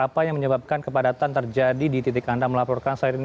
apa yang menyebabkan kepadatan terjadi di titik anda melaporkan saat ini